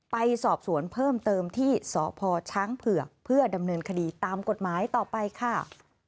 ไปสอบสวนเพิ่มเติมที่สพช้างเผือกเพื่อดำเนินคดีตามกฎหมายต่อไปค่ะ